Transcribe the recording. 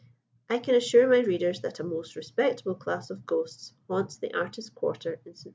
I can assure my readers that a most respectable class of ghosts haunts the artist quarter in St. Martin's Lane.